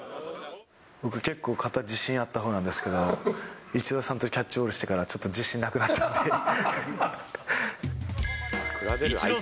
僕、結構、肩、自信あったほうなんですけど、イチローさんとキャッチボールしてから、ちょっと自信なくなっちゃって。